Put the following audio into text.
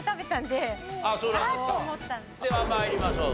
では参りましょう。